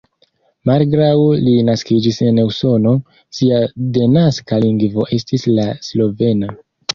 Malgraŭ li naskiĝis en Usono, sia denaska lingvo estis la slovena.